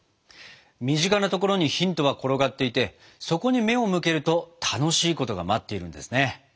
身近な所にヒントが転がっていてそこに目を向けると楽しいことが待っているんですね。